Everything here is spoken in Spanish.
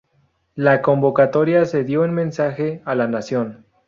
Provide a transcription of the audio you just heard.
La convocatoria se dio en mensaje a la nación.